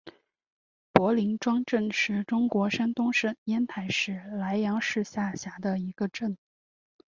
柏林庄镇是中国山东省烟台市莱阳市下辖的一个镇。